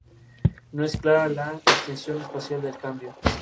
No es clara la extensión espacial del cambio.